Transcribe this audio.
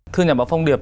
thưa nhà báo phong điệp